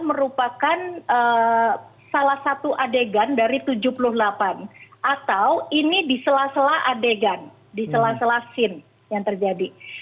merupakan salah satu adegan dari tujuh puluh delapan atau ini di sela sela adegan di sela sela scene yang terjadi